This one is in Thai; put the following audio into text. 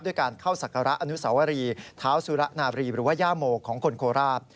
การเข้าศักระอนุสวรีเท้าสุระนาบรีหรือว่าย่าโมของคนโคราช